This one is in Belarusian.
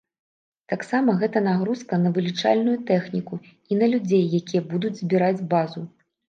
Таксама гэта нагрузка на вылічальную тэхніку і на людзей, якія будуць збіраць базу.